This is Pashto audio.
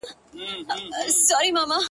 ستا په یوه تصویر مي شپږ میاشتي ګُذران کړی دی’